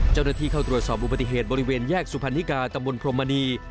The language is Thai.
เจ้าหน้าที่เข้าตรวจสอบอุบัติเหตุบริเวณแยกสุพรรณิกาตำบลพรมมณี